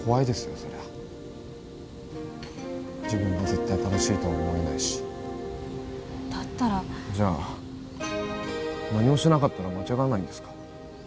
そりゃ自分が絶対正しいとは思えないしだったらじゃあ何もしなかったら間違わないんですか？